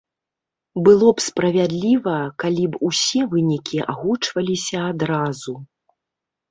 Было б справядліва, калі б усе вынікі агучваліся адразу.